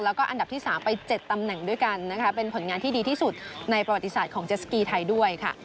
แล้วก็อันดับที่๓ไป๗ตำแหน่งด้วยกันนะคะเป็นผลงานที่ดีที่สุดในประวัติศาสตร์ของเจสสกีไทยด้วยค่ะ